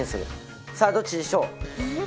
さあどっちでしょう？